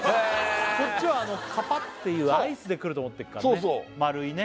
こっちはカパッていうアイスでくると思ってっからね丸いね